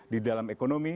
di dalam ekonomi